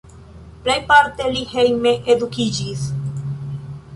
Plejparte li hejme edukiĝis.